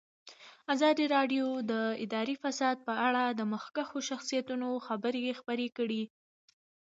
ازادي راډیو د اداري فساد په اړه د مخکښو شخصیتونو خبرې خپرې کړي.